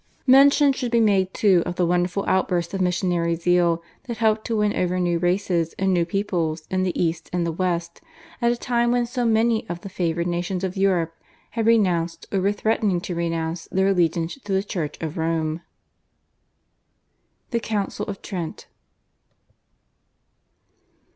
Mention should be made too of the wonderful outburst of missionary zeal that helped to win over new races and new peoples in the East and the West at a time when so many of the favoured nations of Europe had renounced or were threatening to renounce their allegiance to the Church of Rome. Chap. I. (a) The Council of Trent.